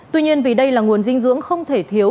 tuy nhiên vì đây là nguồn dinh dưỡng không thể thiếu